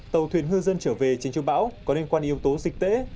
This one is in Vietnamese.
tàu thuyền ngư dân trở về tránh chú bão có liên quan yếu tố dịch tễ